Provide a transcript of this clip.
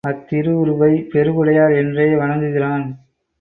அத்திருஉருவை பெருஉடையார் என்றே வணங்குகிறான்.